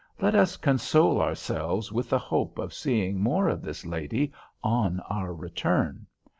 Let us console ourselves with the hope of seeing more of this lady on our return.